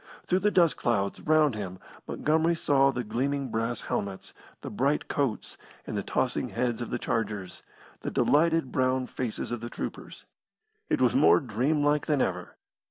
Through the dust clouds round him Montgomery saw the gleaming brass helmets, the bright coats, and the tossing heads of the chargers, the delighted brown faces of the troopers. It was more dream like than ever.